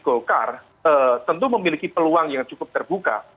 golkar tentu memiliki peluang yang cukup terbuka